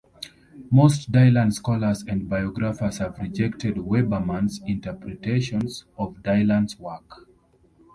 Most Dylan scholars and biographers have rejected Weberman's interpretations of Dylan's work.